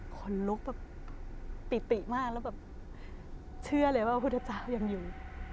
คนลุกปิติมากแล้วเชื่อเลยว่าพระเจ้ายังอยู่